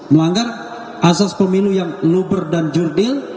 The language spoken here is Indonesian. melanggar asas pemilu yang luber dan jurdil